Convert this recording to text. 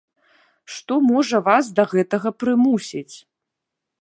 Што можа вас да гэтага прымусіць?